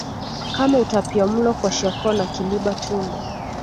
kama utapiamulo kwashakoo na kiliba tumbo